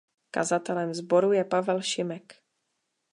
Kazatelem sboru je Pavel Šimek.